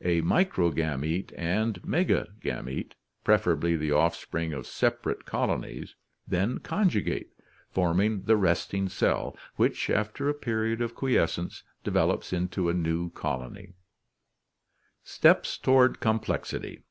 A microgamete and megagamete, preferably the offspring of sepa rate colonies, then conjugate, forming the resting cell, which after a period of quiescence develops into a new colony. THE LIFE CYCLE 199 Steps toward Complexity.